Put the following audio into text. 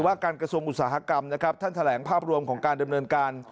การกระทรวงอุตสาหกรรมนะครับท่านแถลงภาพรวมของการดำเนินการ